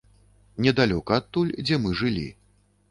Недалёка адтуль, дзе мы жылі.